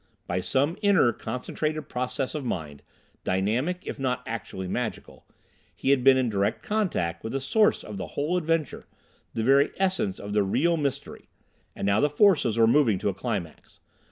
By some inner, concentrated process of mind, dynamic if not actually magical, he had been in direct contact with the source of the whole adventure, the very essence of the real mystery. And now the forces were moving to a climax.